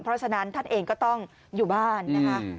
เพราะฉะนั้นท่านเองก็ต้องอยู่บ้านนะคะ